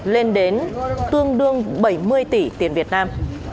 lên đến tương đương bảy mươi tỷ tiền việt nam